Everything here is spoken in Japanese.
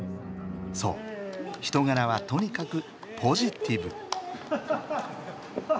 そう人柄はとにかくポジティブ。